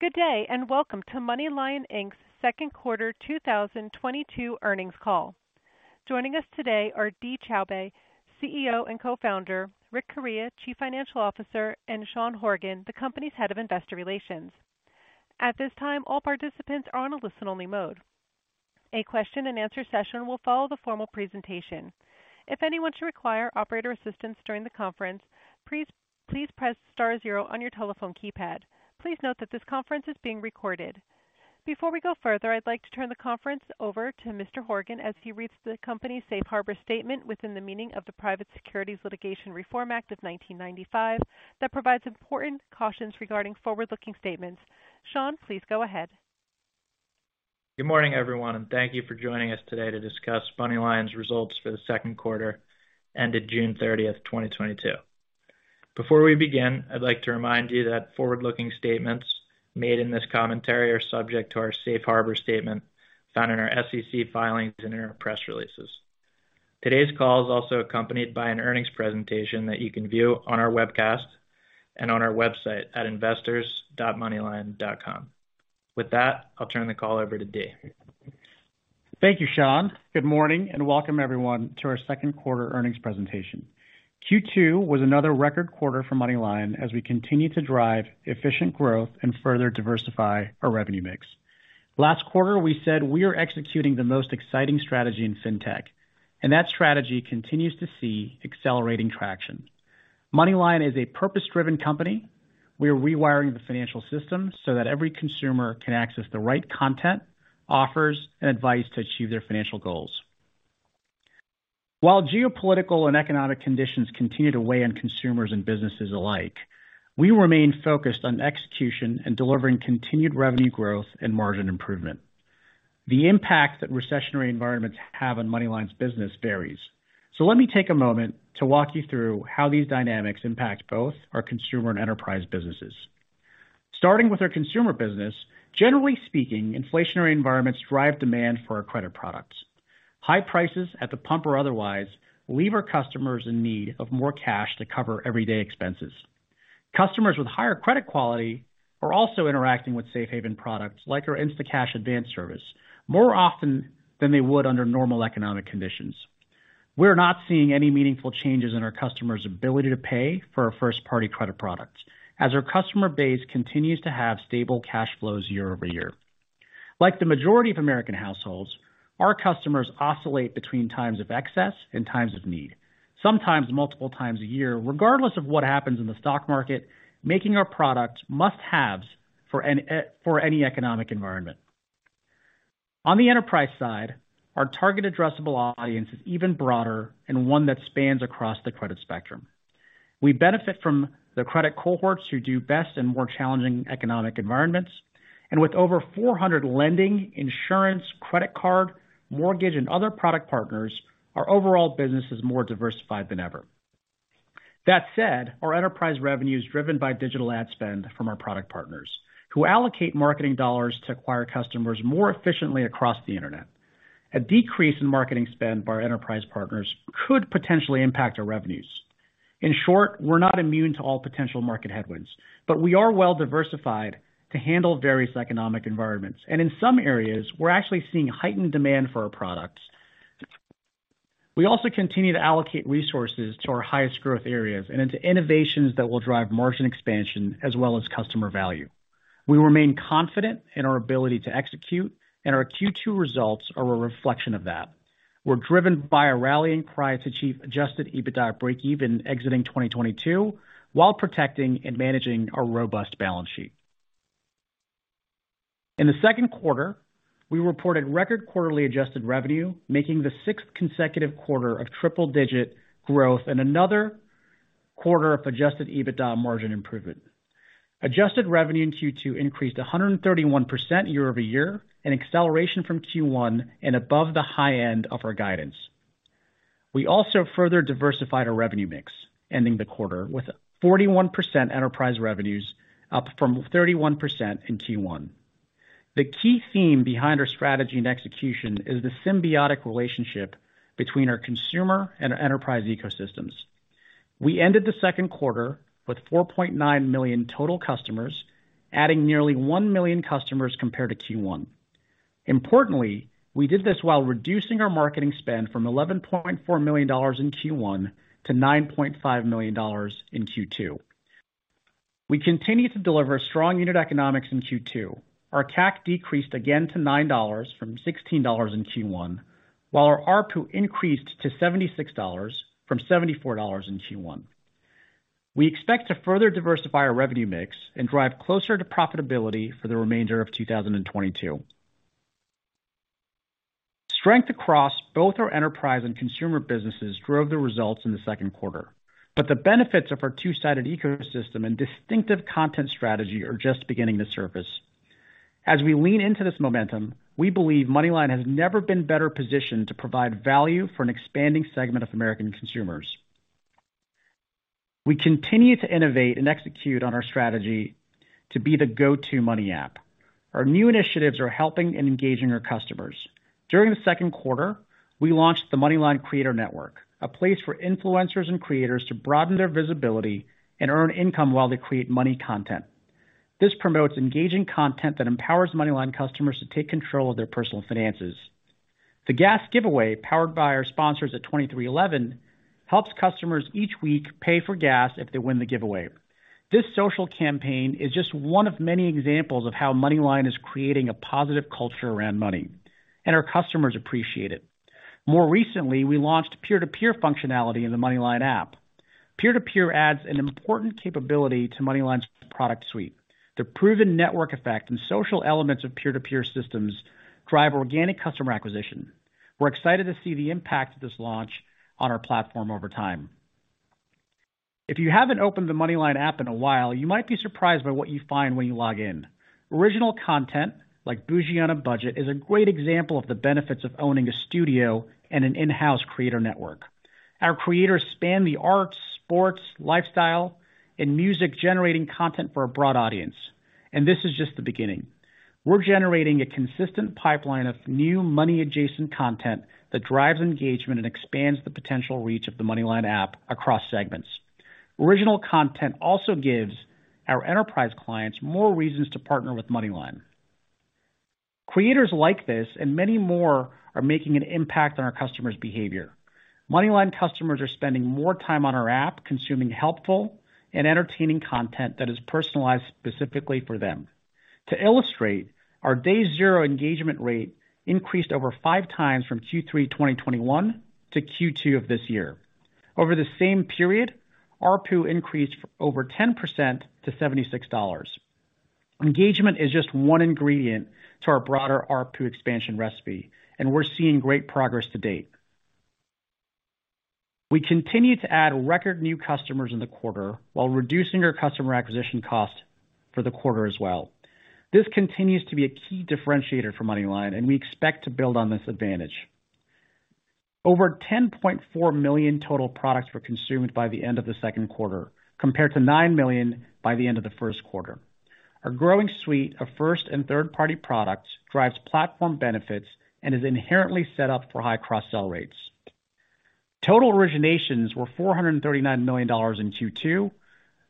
Good day, and welcome to MoneyLion Inc.'s Q2 2022 earnings call. Joining us today are Dee Choubey, CEO and co-founder, Rick Correia, Chief Financial Officer, and Sean Horgan, the company's Head of Investor Relations. At this time, all participants are on a listen-only mode. A question and answer session will follow the formal presentation. If anyone should require operator assistance during the conference, please press star zero on your telephone keypad. Please note that this conference is being recorded. Before we go further, I'd like to turn the conference over to Mr. Horgan as he reads the company's safe harbor statement within the meaning of the Private Securities Litigation Reform Act of 1995 that provides important cautions regarding forward-looking statements. Sean, please go ahead. Good morning, everyone, and thank you for joining us today to discuss MoneyLion's results for the Q2 ended June 30, 2022. Before we begin, I'd like to remind you that forward-looking statements made in this commentary are subject to our safe harbor statement found in our SEC filings and in our press releases. Today's call is also accompanied by an earnings presentation that you can view on our webcast and on our website at investors.moneylion.com. With that, I'll turn the call over to Dee. Thank you, Sean. Good morning, and welcome everyone to our Q2 earnings presentation. Q2 was another record quarter for MoneyLion as we continue to drive efficient growth and further diversify our revenue mix. Last quarter we said we are executing the most exciting strategy in fintech, and that strategy continues to see accelerating traction. MoneyLion is a purpose-driven company. We are rewiring the financial system so that every consumer can access the right content, offers, and advice to achieve their financial goals. While geopolitical and economic conditions continue to weigh on consumers and businesses alike, we remain focused on execution and delivering continued revenue growth and margin improvement. The impact that recessionary environments have on MoneyLion's business varies. Let me take a moment to walk you through how these dynamics impact both our consumer and enterprise businesses. Starting with our consumer business, generally speaking, inflationary environments drive demand for our credit products. High prices, at the pump or otherwise, leave our customers in need of more cash to cover everyday expenses. Customers with higher credit quality are also interacting with safe haven products like our Instacash Advance service more often than they would under normal economic conditions. We're not seeing any meaningful changes in our customers' ability to pay for our first-party credit products, as our customer base continues to have stable cash flows year over year. Like the majority of American households, our customers oscillate between times of excess and times of need, sometimes multiple times a year, regardless of what happens in the stock market, making our products must-haves for any economic environment. On the enterprise side, our target addressable audience is even broader and one that spans across the credit spectrum. We benefit from the credit cohorts who do best in more challenging economic environments. With over 400 lending, insurance, credit card, mortgage, and other product partners, our overall business is more diversified than ever. That said, our enterprise revenue is driven by digital ad spend from our product partners who allocate marketing dollars to acquire customers more efficiently across the Internet. A decrease in marketing spend by our enterprise partners could potentially impact our revenues. In short, we're not immune to all potential market headwinds, but we are well diversified to handle various economic environments. In some areas, we're actually seeing heightened demand for our products. We also continue to allocate resources to our highest growth areas and into innovations that will drive margin expansion as well as customer value. We remain confident in our ability to execute, and our Q2 results are a reflection of that. We're driven by a rallying cry to achieve adjusted EBITDA breakeven exiting 2022, while protecting and managing our robust balance sheet. In the Q2, we reported record quarterly adjusted revenue, making the sixth consecutive quarter of triple-digit growth and another quarter of adjusted EBITDA margin improvement. Adjusted revenue in Q2 increased 131% year-over-year, an acceleration from Q1 and above the high end of our guidance. We also further diversified our revenue mix, ending the quarter with 41% enterprise revenues, up from 31% in Q1. The key theme behind our strategy and execution is the symbiotic relationship between our consumer and our enterprise ecosystems. We ended the Q2 with 4.9 million total customers, adding nearly 1 million customers compared to Q1. Importantly, we did this while reducing our marketing spend from $11.4 million in Q1 to $9.5 million in Q2. We continue to deliver strong unit economics in Q2. Our CAC decreased again to $9 from $16 in Q1, while our ARPU increased to $76 from $74 in Q1. We expect to further diversify our revenue mix and drive closer to profitability for the remainder of 2022. Strength across both our enterprise and consumer businesses drove the results in the Q2, but the benefits of our two-sided ecosystem and distinctive content strategy are just beginning to surface. As we lean into this momentum, we believe MoneyLion has never been better positioned to provide value for an expanding segment of American consumers. We continue to innovate and execute on our strategy to be the go-to money app. Our new initiatives are helping and engaging our customers. During the Q2, we launched the MoneyLion Creator Network, a place for influencers and creators to broaden their visibility and earn income while they create money content. This promotes engaging content that empowers MoneyLion customers to take control of their personal finances. The gas giveaway, powered by our sponsors at 23XI, helps customers each week pay for gas if they win the giveaway. This social campaign is just one of many examples of how MoneyLion is creating a positive culture around money, and our customers appreciate it. More recently, we launched peer-to-peer functionality in the MoneyLion app. Peer-to-peer adds an important capability to MoneyLion's product suite. The proven network effect and social elements of peer-to-peer systems drive organic customer acquisition. We're excited to see the impact of this launch on our platform over time. If you haven't opened the MoneyLion app in a while, you might be surprised by what you find when you log in. Original content like Bougie on a Budget is a great example of the benefits of owning a studio and an in-house creator network. Our creators span the arts, sports, lifestyle, and music, generating content for a broad audience. This is just the beginning. We're generating a consistent pipeline of new money-adjacent content that drives engagement and expands the potential reach of the MoneyLion app across segments. Original content also gives our enterprise clients more reasons to partner with MoneyLion. Creators like this and many more are making an impact on our customers' behavior. MoneyLion customers are spending more time on our app, consuming helpful and entertaining content that is personalized specifically for them. To illustrate, our day zero engagement rate increased over five times from Q3 2021 to Q2 of this year. Over the same period, ARPU increased over 10% to $76. Engagement is just one ingredient to our broader ARPU expansion recipe, and we're seeing great progress to date. We continue to add record new customers in the quarter while reducing our customer acquisition cost for the quarter as well. This continues to be a key differentiator for MoneyLion, and we expect to build on this advantage. Over 10.4 million total products were consumed by the end of the Q2, compared to 9 million by the end of the Q1. Our growing suite of first and third-party products drives platform benefits and is inherently set up for high cross-sell rates. Total originations were $439 million in Q2,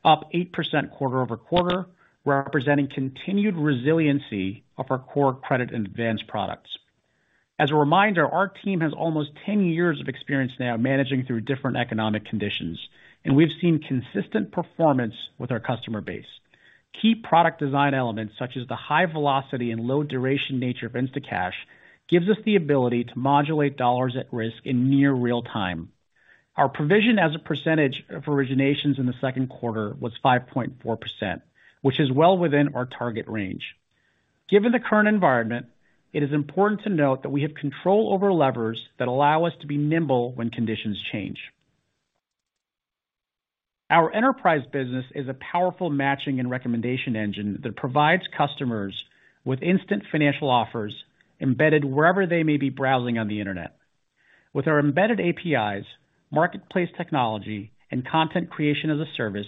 up 8% quarter-over-quarter, representing continued resiliency of our core credit and advance products. As a reminder, our team has almost 10 years of experience now managing through different economic conditions, and we've seen consistent performance with our customer base. Key product design elements, such as the high velocity and low duration nature of Instacash, gives us the ability to modulate dollars at risk in near real time. Our provision as a percentage of originations in the Q2 was 5.4%, which is well within our target range. Given the current environment, it is important to note that we have control over levers that allow us to be nimble when conditions change. Our enterprise business is a powerful matching and recommendation engine that provides customers with instant financial offers embedded wherever they may be browsing on the internet. With our embedded APIs, marketplace technology, and content creation as a service,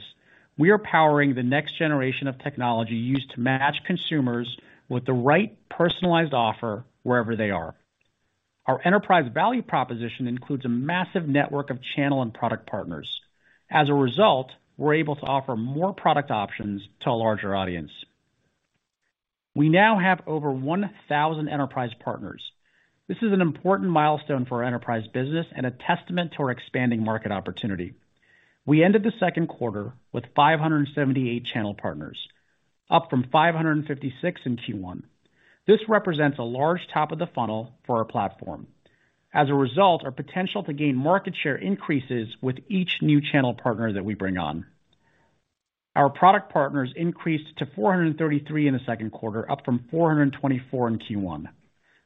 we are powering the next generation of technology used to match consumers with the right personalized offer wherever they are. Our enterprise value proposition includes a massive network of channel and product partners. As a result, we're able to offer more product options to a larger audience. We now have over 1,000 enterprise partners. This is an important milestone for our enterprise business and a testament to our expanding market opportunity. We ended the Q2 with 578 channel partners, up from 556 in Q1. This represents a large top of the funnel for our platform. As a result, our potential to gain market share increases with each new channel partner that we bring on. Our product partners increased to 433 in the Q2, up from 424 in Q1.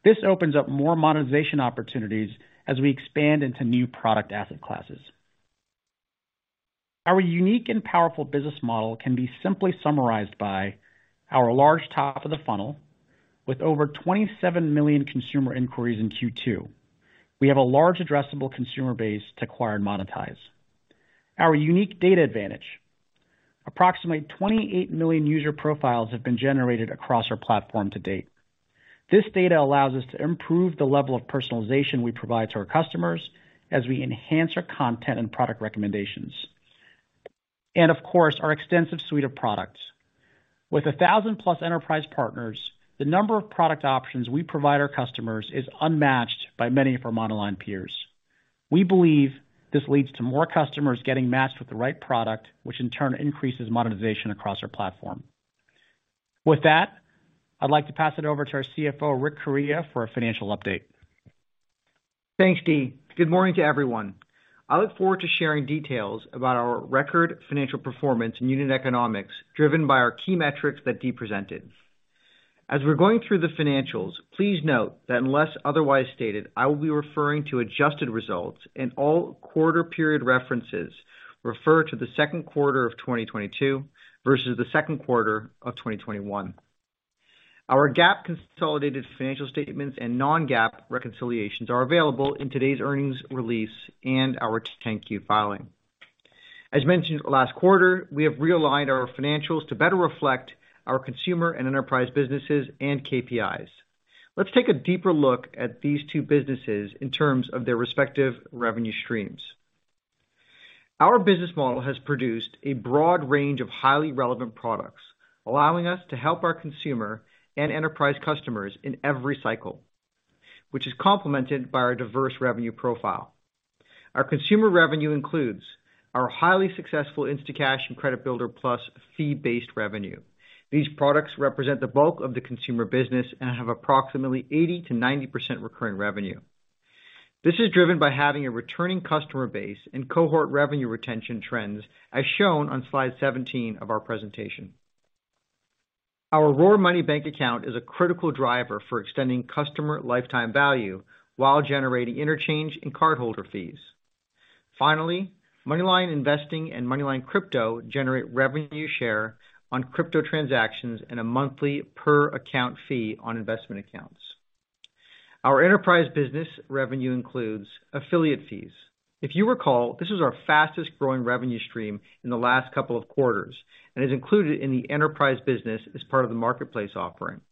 This opens up more monetization opportunities as we expand into new product asset classes. Our unique and powerful business model can be simply summarized by our large top of the funnel. With over 27 million consumer inquiries in Q2, we have a large addressable consumer base to acquire and monetize. Our unique data advantage. Approximately 28 million user profiles have been generated across our platform to date. This data allows us to improve the level of personalization we provide to our customers as we enhance our content and product recommendations. Of course, our extensive suite of products. With 1,000+ enterprise partners, the number of product options we provide our customers is unmatched by many of our monoline peers. We believe this leads to more customers getting matched with the right product, which in turn increases monetization across our platform. With that, I'd like to pass it over to our CFO, Rick Correia, for a financial update. Thanks, Dee. Good morning to everyone. I look forward to sharing details about our record financial performance and unit economics driven by our key metrics that Dee presented. As we're going through the financials, please note that unless otherwise stated, I will be referring to adjusted results and all quarter period references refer to the Q2 of 2022 versus the Q2 of 2021. Our GAAP consolidated financial statements and non-GAAP reconciliations are available in today's earnings release and our 10-Q filing. As mentioned last quarter, we have realigned our financials to better reflect our consumer and enterprise businesses and KPIs. Let's take a deeper look at these two businesses in terms of their respective revenue streams. Our business model has produced a broad range of highly relevant products, allowing us to help our consumer and enterprise customers in every cycle, which is complemented by our diverse revenue profile. Our consumer revenue includes our highly successful Instacash and Credit Builder Plus fee-based revenue. These products represent the bulk of the consumer business and have approximately 80%-90% recurring revenue. This is driven by having a returning customer base and cohort revenue retention trends as shown on slide 17 of our presentation. Our RoarMoney bank account is a critical driver for extending customer lifetime value while generating interchange and cardholder fees. Finally, MoneyLion Investing and MoneyLion Crypto generate revenue share on crypto transactions and a monthly per-account fee on investment accounts. Our enterprise business revenue includes affiliate fees. If you recall, this is our fastest-growing revenue stream in the last couple of quarters and is included in the enterprise business as part of the marketplace offering.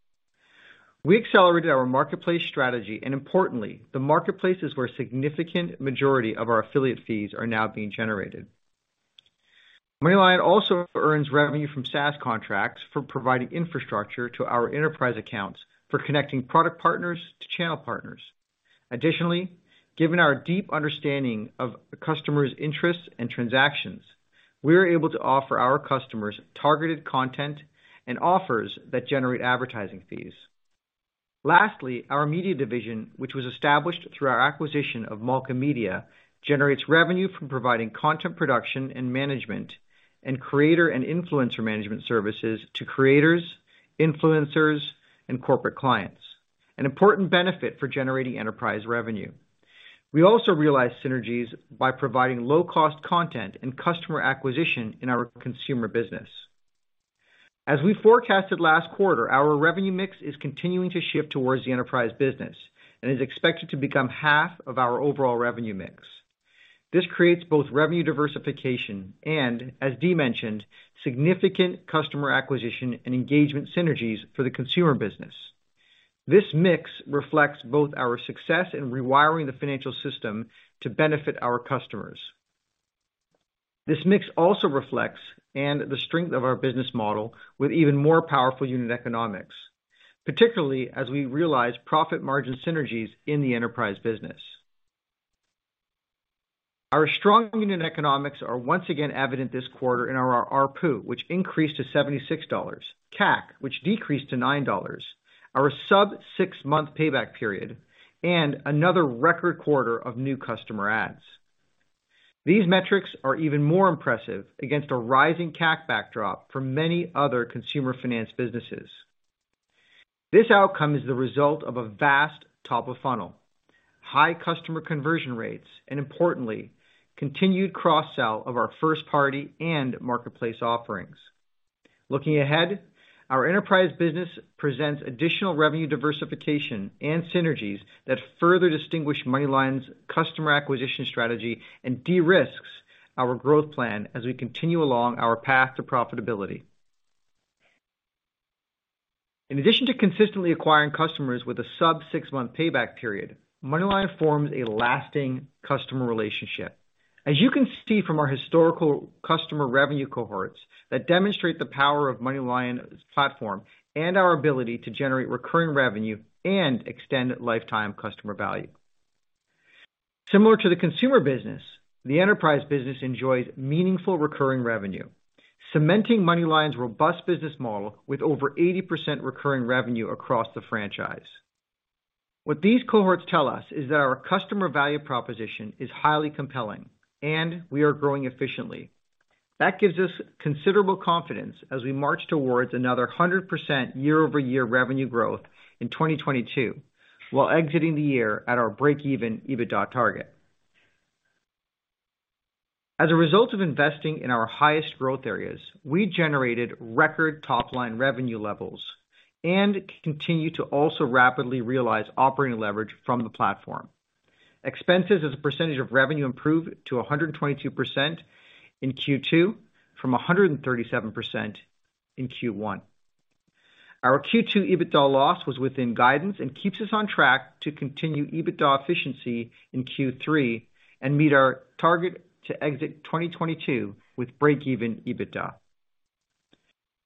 We accelerated our marketplace strategy, and importantly, the marketplace is where a significant majority of our affiliate fees are now being generated. MoneyLion also earns revenue from SaaS contracts for providing infrastructure to our enterprise accounts for connecting product partners to channel partners. Additionally, given our deep understanding of the customers' interests and transactions, we are able to offer our customers targeted content and offers that generate advertising fees. Lastly, our media division, which was established through our acquisition of Malka Media, generates revenue from providing content production and management, and creator and influencer management services to creators, influencers, and corporate clients, an important benefit for generating enterprise revenue. We also realize synergies by providing low-cost content and customer acquisition in our consumer business. As we forecasted last quarter, our revenue mix is continuing to shift towards the enterprise business and is expected to become half of our overall revenue mix. This creates both revenue diversification and, as Dee mentioned, significant customer acquisition and engagement synergies for the consumer business. This mix reflects both our success in rewiring the financial system to benefit our customers. This mix also reflects the strength of our business model with even more powerful unit economics, particularly as we realize profit margin synergies in the enterprise business. Our strong unit economics are once again evident this quarter in our ARPU, which increased to $76, CAC, which decreased to $9, our sub-six-month payback period, and another record quarter of new customer adds. These metrics are even more impressive against a rising CAC backdrop for many other consumer finance businesses. This outcome is the result of a vast top-of-funnel, high customer conversion rates, and importantly, continued cross-sell of our first-party and marketplace offerings. Looking ahead, our enterprise business presents additional revenue diversification and synergies that further distinguish MoneyLion's customer acquisition strategy and de-risks our growth plan as we continue along our path to profitability. In addition to consistently acquiring customers with a sub-6-month payback period, MoneyLion forms a lasting customer relationship. As you can see from our historical customer revenue cohorts that demonstrate the power of MoneyLion's platform and our ability to generate recurring revenue and extend lifetime customer value. Similar to the consumer business, the enterprise business enjoys meaningful recurring revenue, cementing MoneyLion's robust business model with over 80% recurring revenue across the franchise. What these cohorts tell us is that our customer value proposition is highly compelling, and we are growing efficiently. That gives us considerable confidence as we march towards another 100% year-over-year revenue growth in 2022, while exiting the year at our break-even EBITDA target. As a result of investing in our highest growth areas, we generated record top-line revenue levels and continue to also rapidly realize operating leverage from the platform. Expenses as a percentage of revenue improved to 122% in Q2 from 137% in Q1. Our Q2 EBITDA loss was within guidance and keeps us on track to continue EBITDA efficiency in Q3 and meet our target to exit 2022 with break-even EBITDA.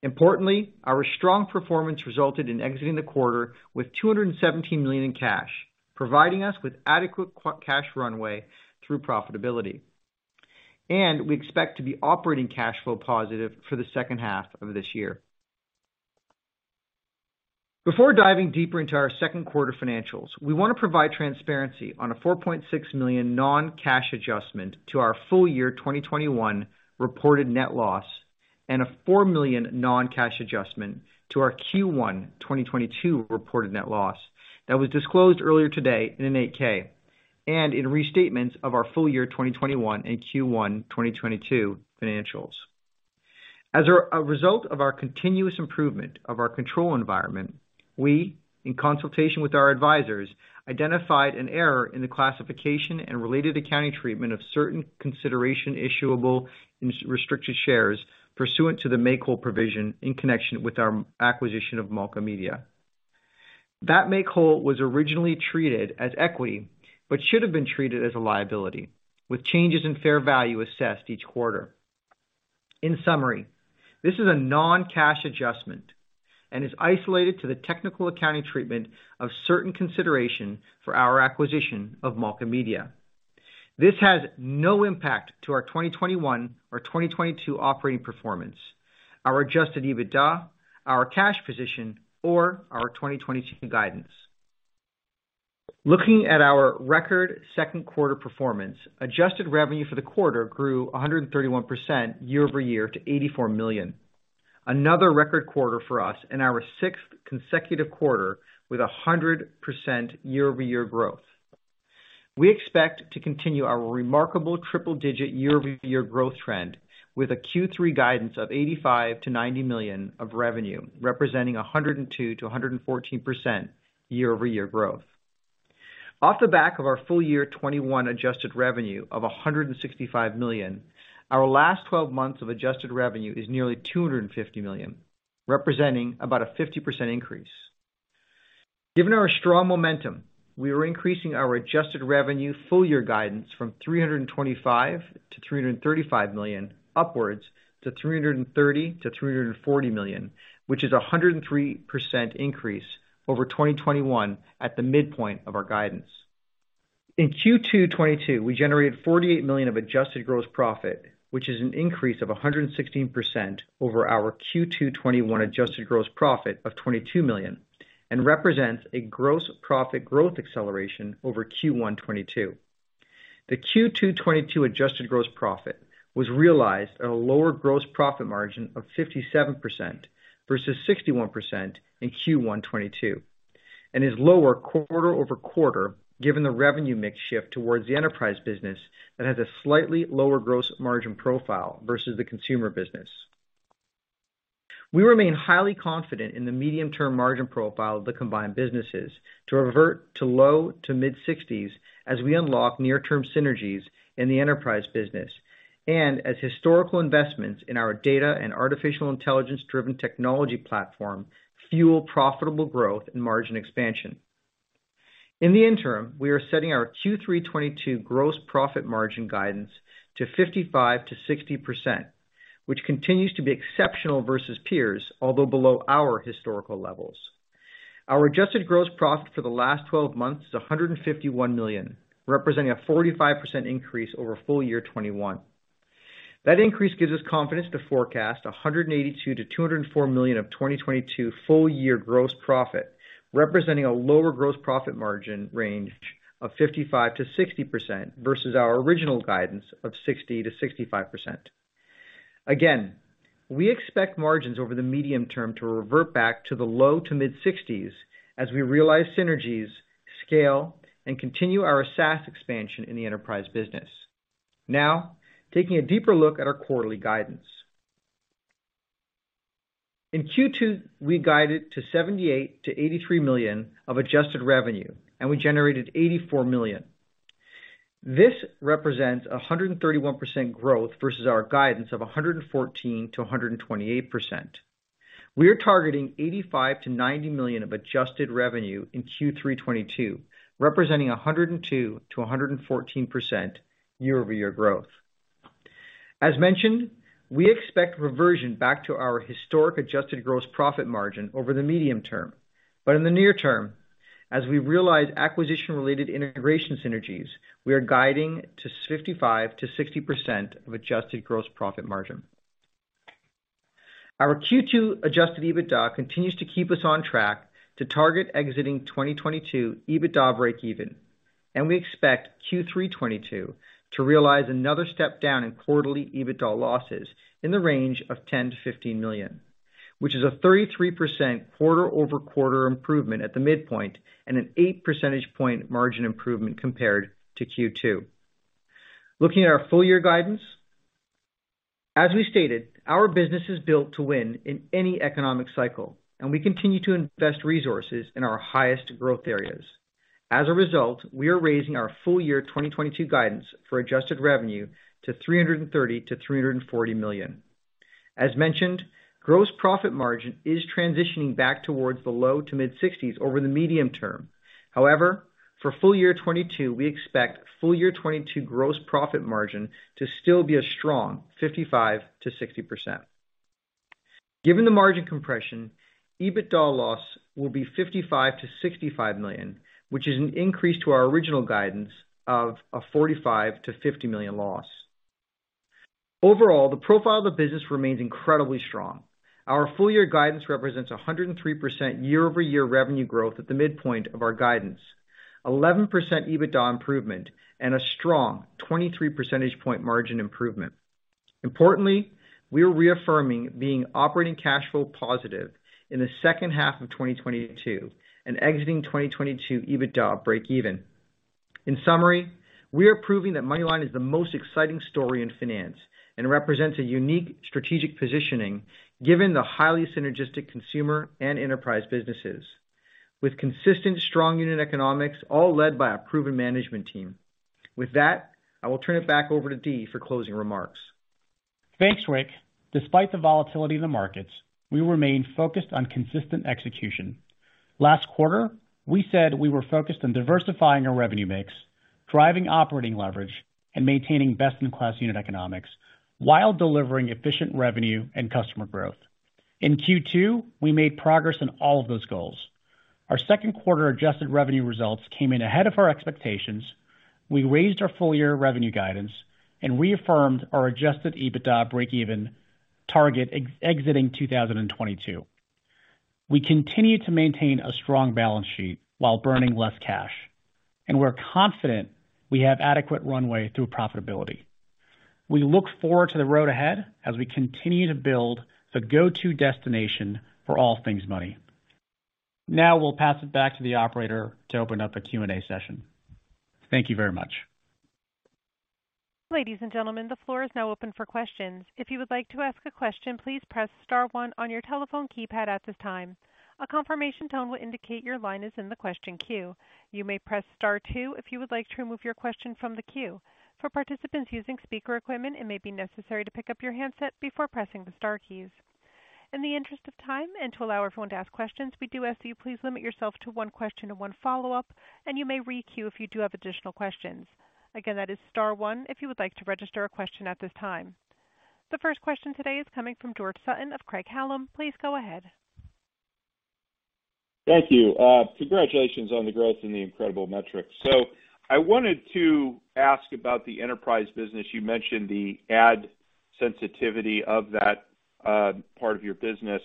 Importantly, our strong performance resulted in exiting the quarter with $217 million in cash, providing us with adequate cash runway through profitability. We expect to be operating cash flow positive for the second half of this year. Before diving deeper into our Q2 financials, we want to provide transparency on a $4.6 million non-cash adjustment to our full year 2021 reported net loss and a $4 million non-cash adjustment to our Q1 2022 reported net loss that was disclosed earlier today in an 8-K and in restatements of our full year 2021 and Q1 2022 financials. As a result of our continuous improvement of our control environment, we, in consultation with our advisors, identified an error in the classification and related accounting treatment of certain consideration issuable in restricted shares pursuant to the make-whole provision in connection with our acquisition of Malka Media. That make-whole was originally treated as equity, but should have been treated as a liability, with changes in fair value assessed each quarter. In summary, this is a non-cash adjustment and is isolated to the technical accounting treatment of certain consideration for our acquisition of Malka Media. This has no impact to our 2021 or 2022 operating performance, our adjusted EBITDA, our cash position, or our 2022 guidance. Looking at our record Q2 performance, adjusted revenue for the quarter grew 131% year-over-year to $84 million. Another record quarter for us in our sixth consecutive quarter with 100% year-over-year growth. We expect to continue our remarkable triple-digit year-over-year growth trend with a Q3 guidance of $85 million-$90 million of revenue, representing 102%-114% year-over-year growth. Off the back of our full year 2021 adjusted revenue of $165 million, our last twelve months of adjusted revenue is nearly $250 million, representing about a 50% increase. Given our strong momentum, we are increasing our adjusted revenue full year guidance from $325 million-$335 million upwards to $330 million-$340 million, which is a 103% increase over 2021 at the midpoint of our guidance. In Q2 2022, we generated $48 million of adjusted gross profit, which is an increase of 116% over our Q2 2021 adjusted gross profit of $22 million, and represents a gross profit growth acceleration over Q1 2022. The Q2 2022 adjusted gross profit was realized at a lower gross profit margin of 57% versus 61% in Q1 2022, and is lower quarter-over-quarter, given the revenue mix shift towards the enterprise business that has a slightly lower gross margin profile versus the consumer business. We remain highly confident in the medium-term margin profile of the combined businesses to revert to low-to-mid 60s% as we unlock near-term synergies in the enterprise business, and as historical investments in our data and artificial intelligence driven technology platform fuel profitable growth and margin expansion. In the interim, we are setting our Q3 2022 gross profit margin guidance to 55%-60%, which continues to be exceptional versus peers, although below our historical levels. Our adjusted gross profit for the last twelve months is $151 million, representing a 45% increase over full year 2021. That increase gives us confidence to forecast $182 million-$204 million of 2022 full year gross profit, representing a lower gross profit margin range of 55%-60% versus our original guidance of 60%-65%. We expect margins over the medium term to revert back to the low to mid-60s as we realize synergies, scale, and continue our SaaS expansion in the enterprise business. Now, taking a deeper look at our quarterly guidance. In Q2, we guided to $78 million-$83 million of adjusted revenue, and we generated $84 million. This represents a 131% growth versus our guidance of 114%-128%. We are targeting $85 million-$90 million of adjusted revenue in Q3 2022, representing 102%-114% year-over-year growth. As mentioned, we expect reversion back to our historic adjusted gross profit margin over the medium term. In the near term, as we realize acquisition related integration synergies, we are guiding to 55%-60% adjusted gross profit margin. Our Q2 adjusted EBITDA continues to keep us on track to target exiting 2022 EBITDA breakeven, and we expect Q3 2022 to realize another step down in quarterly EBITDA losses in the range of $10 million-$15 million, which is a 33% quarter-over-quarter improvement at the midpoint and an 8 percentage point margin improvement compared to Q2. Looking at our full year guidance. As we stated, our business is built to win in any economic cycle, and we continue to invest resources in our highest growth areas. As a result, we are raising our full year 2022 guidance for adjusted revenue to $330 million-$340 million. As mentioned, gross profit margin is transitioning back towards the low- to mid-60s% over the medium term. However, for full year 2022, we expect full year 2022 gross profit margin to still be a strong 55%-60%. Given the margin compression, EBITDA loss will be $55 million-$65 million, which is an increase to our original guidance of a $45 million-$50 million loss. Overall, the profile of the business remains incredibly strong. Our full year guidance represents 103% year-over-year revenue growth at the midpoint of our guidance, 11% EBITDA improvement, and a strong 23 percentage point margin improvement. Importantly, we are reaffirming being operating cash flow positive in the second half of 2022 and exiting 2022 EBITDA breakeven. In summary, we are proving that MoneyLion is the most exciting story in finance and represents a unique strategic positioning given the highly synergistic consumer and enterprise businesses. With consistent strong unit economics, all led by a proven management team. With that, I will turn it back over to Dee for closing remarks. Thanks, Rick. Despite the volatility of the markets, we remain focused on consistent execution. Last quarter, we said we were focused on diversifying our revenue mix, driving operating leverage, and maintaining best-in-class unit economics while delivering efficient revenue and customer growth. In Q2, we made progress in all of those goals. Our Q2 adjusted revenue results came in ahead of our expectations. We raised our full-year revenue guidance and reaffirmed our adjusted EBITDA breakeven target exiting 2022. We continue to maintain a strong balance sheet while burning less cash, and we're confident we have adequate runway through profitability. We look forward to the road ahead as we continue to build the go-to destination for all things money. Now, we'll pass it back to the operator to open up the Q&A session. Thank you very much. Ladies and gentlemen, the floor is now open for questions. If you would like to ask a question, please press star one on your telephone keypad at this time. A confirmation tone will indicate your line is in the question queue. You may press star two if you would like to remove your question from the queue. For participants using speaker equipment, it may be necessary to pick up your handset before pressing the star keys. In the interest of time and to allow everyone to ask questions, we do ask that you please limit yourself to one question and one follow-up, and you may re-queue if you do have additional questions. Again, that is star one if you would like to register a question at this time. The first question today is coming from George Sutton of Craig-Hallum. Please go ahead. Thank you. Congratulations on the growth and the incredible metrics. I wanted to ask about the enterprise business. You mentioned the ad sensitivity of that, part of your business.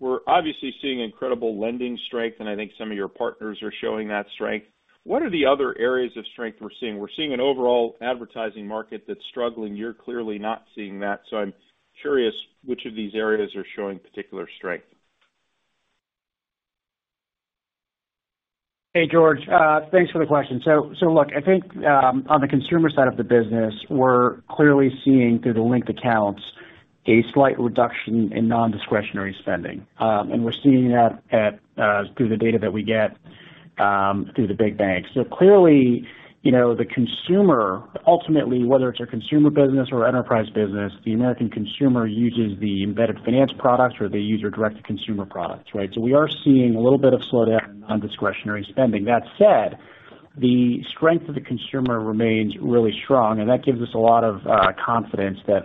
We're obviously seeing incredible lending strength, and I think some of your partners are showing that strength. What are the other areas of strength we're seeing? We're seeing an overall advertising market that's struggling. You're clearly not seeing that. I'm curious which of these areas are showing particular strength? Hey, George. Thanks for the question. Look, I think on the consumer side of the business, we're clearly seeing through the linked accounts a slight reduction in non-discretionary spending. We're seeing that through the data that we get through the big banks. Clearly, you know, the consumer, ultimately, whether it's a consumer business or enterprise business, the American consumer uses the embedded finance products or they use your direct-to-consumer products, right? We are seeing a little bit of slowdown in non-discretionary spending. That said, the strength of the consumer remains really strong, and that gives us a lot of confidence that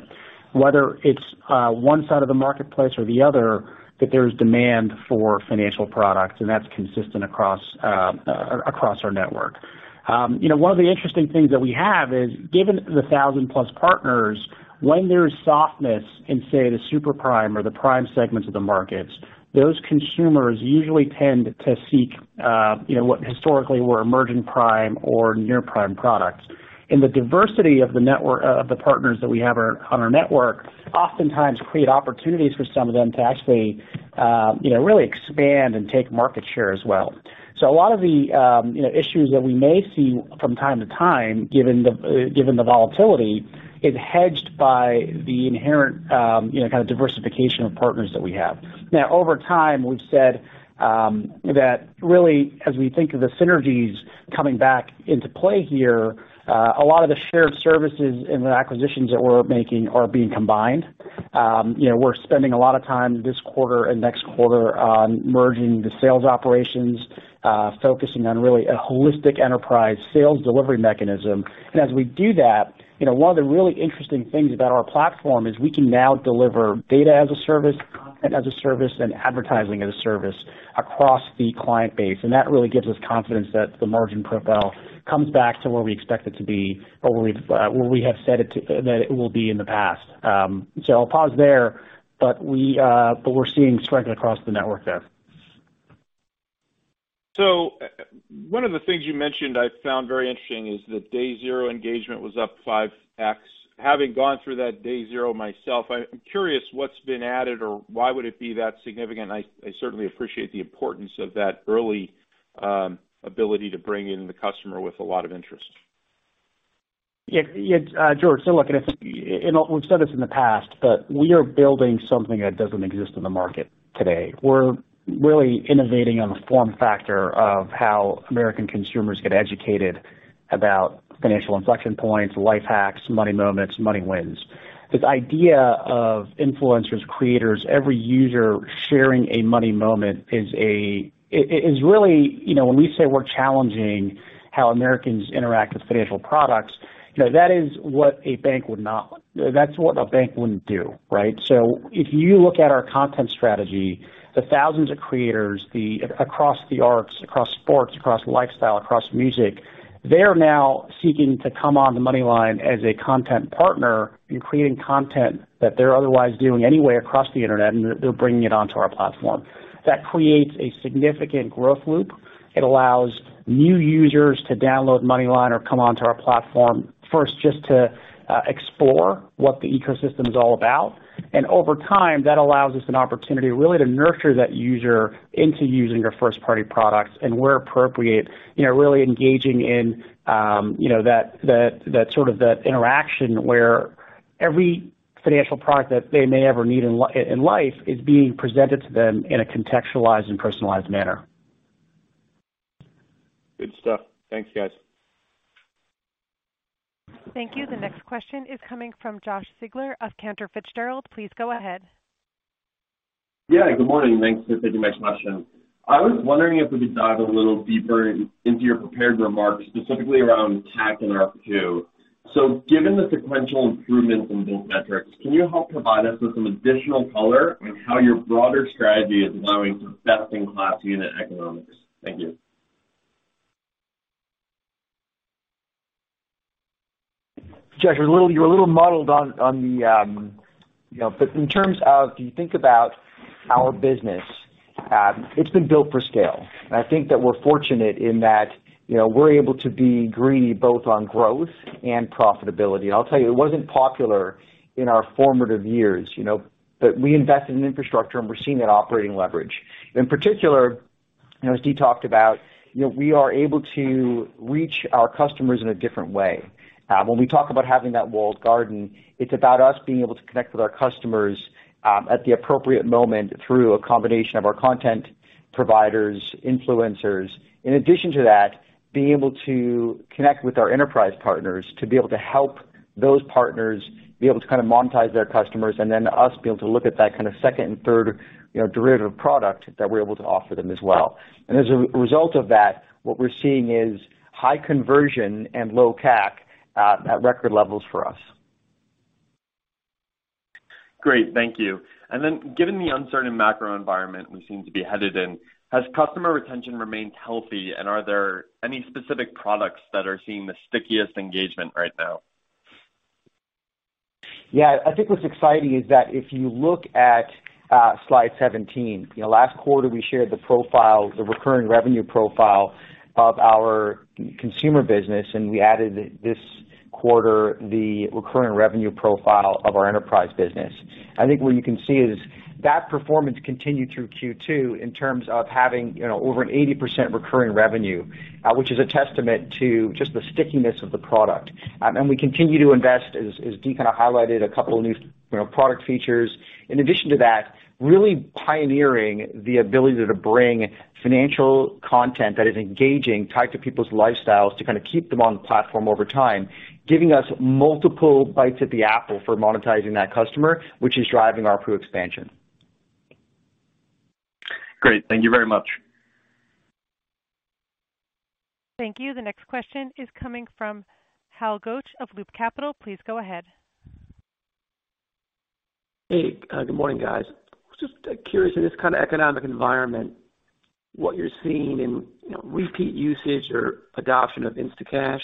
whether it's one side of the marketplace or the other, that there's demand for financial products, and that's consistent across our network. You know, one of the interesting things that we have is given the 1,000-plus partners, when there's softness in, say, the super prime or the prime segments of the markets, those consumers usually tend to seek, you know, what historically were emerging prime or near-prime products. The diversity of the partners that we have on our network oftentimes create opportunities for some of them to actually, you know, really expand and take market share as well. A lot of the, you know, issues that we may see from time to time, given the volatility, is hedged by the inherent, you know, kind of diversification of partners that we have. Now, over time, we've said that really as we think of the synergies coming back into play here, a lot of the shared services and the acquisitions that we're making are being combined. You know, we're spending a lot of time this quarter and next quarter on merging the sales operations, focusing on really a holistic enterprise sales delivery mechanism. As we do that, you know, one of the really interesting things about our platform is we can now deliver data as a service, content as a service, and advertising as a service across the client base. That really gives us confidence that the margin profile comes back to where we expect it to be or where we have said that it will be in the past. I'll pause there, but we're seeing strength across the network there. One of the things you mentioned I found very interesting is that day zero engagement was up 5x. Having gone through that day zero myself, I'm curious what's been added or why would it be that significant? I certainly appreciate the importance of that early ability to bring in the customer with a lot of interest. Yeah. Yeah. George, so look, we've said this in the past, but we are building something that doesn't exist in the market today. We're really innovating on the form factor of how American consumers get educated about financial inflection points, life hacks, money moments, money wins. This idea of influencers, creators, every user sharing a money moment is really, you know, when we say we're challenging how Americans interact with financial products, you know, that is what a bank would not want. That's what a bank wouldn't do, right? If you look at our content strategy, the thousands of creators across the arts, across sports, across lifestyle, across music, they are now seeking to come on to MoneyLion as a content partner in creating content that they're otherwise doing anyway across the Internet, and they're bringing it onto our platform. That creates a significant growth loop. It allows new users to download MoneyLion or come onto our platform first just to explore what the ecosystem is all about. Over time, that allows us an opportunity really to nurture that user into using our first-party products and where appropriate, you know, really engaging in, you know, that sort of that interaction where Every financial product that they may ever need in life is being presented to them in a contextualized and personalized manner. Good stuff. Thanks, guys. Thank you. The next question is coming from Josh Siegler of Cantor Fitzgerald. Please go ahead. Yeah. Good morning. Thanks for taking my question. I was wondering if we could dive a little deeper into your prepared remarks, specifically around CAC and ARPU. Given the sequential improvements in both metrics, can you help provide us with some additional color on how your broader strategy is allowing for best-in-class unit economics? Thank you. Josh, you're a little muddled on the. You know, in terms of if you think about our business, it's been built for scale. I think that we're fortunate in that, you know, we're able to be greedy both on growth and profitability. I'll tell you, it wasn't popular in our formative years, you know, but we invested in infrastructure, and we're seeing that operating leverage. In particular, you know, as Dee talked about, you know, we are able to reach our customers in a different way. When we talk about having that walled garden, it's about us being able to connect with our customers at the appropriate moment through a combination of our content providers, influencers. In addition to that, being able to connect with our enterprise partners to be able to help those partners be able to kinda monetize their customers, and then us be able to look at that kinda second and third, you know, derivative product that we're able to offer them as well. As a result of that, what we're seeing is high conversion and low CAC at record levels for us. Great. Thank you. Given the uncertain macro environment we seem to be headed in, has customer retention remained healthy, and are there any specific products that are seeing the stickiest engagement right now? Yeah. I think what's exciting is that if you look at slide 17, you know, last quarter we shared the profile, the recurring revenue profile of our consumer business, and we added this quarter the recurring revenue profile of our enterprise business. I think what you can see is that performance continued through Q2 in terms of having, you know, over an 80% recurring revenue, which is a testament to just the stickiness of the product. And we continue to invest, as Dee kinda highlighted, a couple of new, you know, product features. In addition to that, really pioneering the ability to bring financial content that is engaging, tied to people's lifestyles, to kinda keep them on the platform over time, giving us multiple bites at the apple for monetizing that customer, which is driving ARPU expansion. Great. Thank you very much. Thank you. The next question is coming from Hal Goetsch of Loop Capital. Please go ahead. Hey, good morning, guys. I was just curious in this kinda economic environment, what you're seeing in, you know, repeat usage or adoption of Instacash.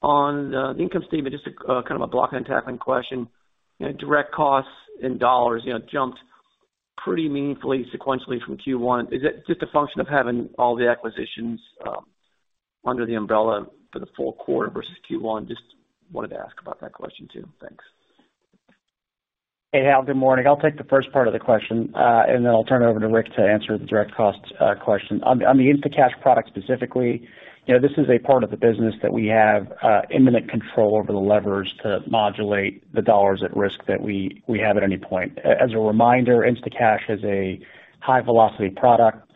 On the income statement, just a kind of a block-and-tackling question. You know, direct costs in dollars, you know, jumped pretty meaningfully sequentially from Q1. Is that just a function of having all the acquisitions under the umbrella for the full quarter versus Q1? Just wanted to ask about that question too. Thanks. Hey, Hal. Good morning. I'll take the first part of the question, and then I'll turn it over to Rick to answer the direct costs question. On the Instacash product specifically, you know, this is a part of the business that we have imminent control over the levers to modulate the dollars at risk that we have at any point. As a reminder, Instacash is a high-velocity product.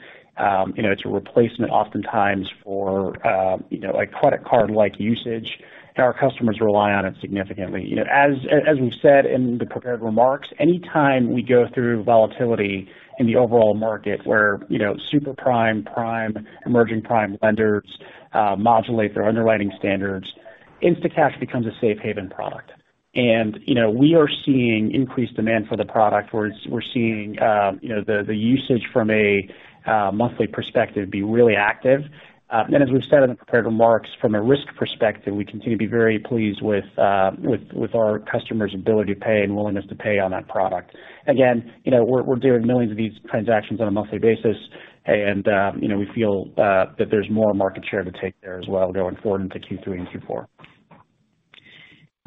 You know, it's a replacement oftentimes for a credit card-like usage, and our customers rely on it significantly. You know, as we've said in the prepared remarks, any time we go through volatility in the overall market where super prime, emerging prime lenders modulate their underwriting standards, Instacash becomes a safe haven product. You know, we are seeing increased demand for the product. We're seeing, you know, the usage from a monthly perspective be really active. As we've said in the prepared remarks, from a risk perspective, we continue to be very pleased with our customers' ability to pay and willingness to pay on that product. Again, you know, we're doing millions of these transactions on a monthly basis and, you know, we feel that there's more market share to take there as well going forward into Q3 and Q4.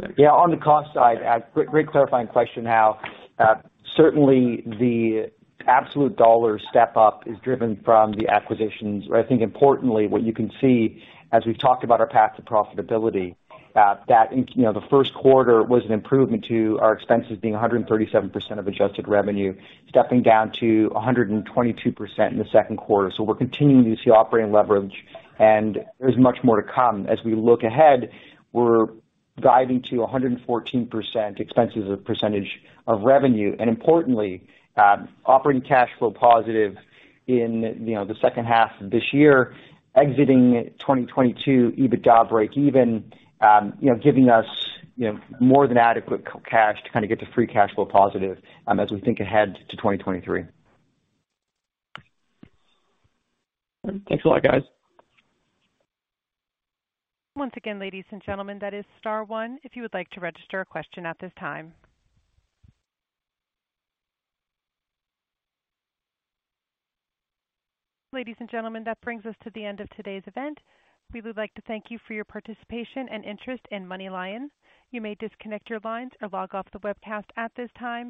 Thanks. Yeah. On the cost side, great clarifying question, Hal. Certainly the absolute dollar step-up is driven from the acquisitions. I think importantly, what you can see as we've talked about our path to profitability, that in, you know, the Q1 was an improvement to our expenses being 137% of adjusted revenue, stepping down to 122% in the Q2. We're continuing to see operating leverage, and there's much more to come. As we look ahead, we're guiding to 114% expenses as a percentage of revenue. Importantly, operating cash flow positive in, you know, the second half of this year, exiting 2022, EBITDA break even, you know, giving us, you know, more than adequate cash to kinda get to free cash flow positive, as we think ahead to 2023. Thanks a lot, guys. Once again, ladies and gentlemen, that is star one if you would like to register a question at this time. Ladies and gentlemen, that brings us to the end of today's event. We would like to thank you for your participation and interest in MoneyLion. You may disconnect your lines or log off the webcast at this time.